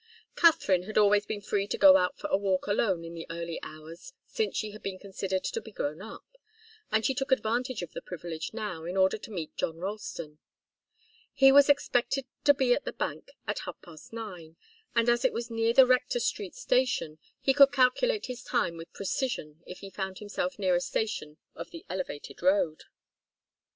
Katharine had always been free to go out for a walk alone in the early hours since she had been considered to be grown up, and she took advantage of the privilege now in order to meet John Ralston. He was expected to be at the bank at half past nine, and, as it was near the Rector Street Station, he could calculate his time with precision if he found himself near a station of the elevated road.